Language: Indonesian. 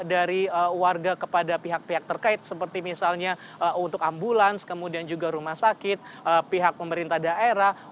dari warga kepada pihak pihak terkait seperti misalnya untuk ambulans kemudian juga rumah sakit pihak pemerintah daerah